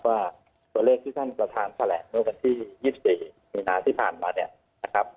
ว่าตัวเลขที่ท่านประธานกรกตแถลงเมื่อวานที่๒๔นาทีผ่านมา